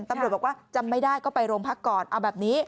ตำรวจบอกว่าจำไม่ได้ก็ไปโรงพักก่อนเอาแบบนี้